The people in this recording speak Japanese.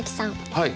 はい。